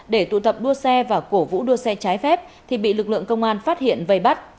để tụ tập đua xe và cổ vũ đua xe trái phép thì bị lực lượng công an phát hiện vây bắt